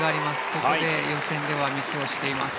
ここで予選ではミスをしています。